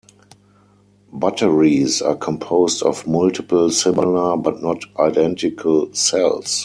Batteries are composed of multiple similar, but not identical, cells.